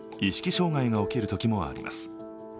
障害が起きるときもあります。